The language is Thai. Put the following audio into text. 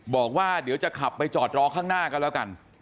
บอกว่าเดี๋ยวจะขับไปจอดรอข้างหน้าก็แล้วกัน